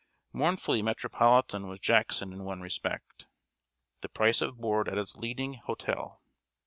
Mournfully metropolitan was Jackson in one respect the price of board at its leading hotel.